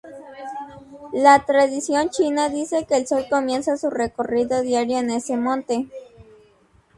La tradición china dice que el sol comienza su recorrido diario en ese monte.